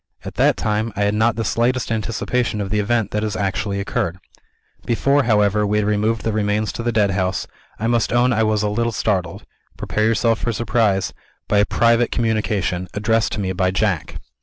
At that time, I had not the slightest anticipation of the event that has actually occurred. Before, however, we had removed the remains to the Deadhouse, I must own I was a little startled prepare yourself for a surprise by a private communication, addressed to me by Jack."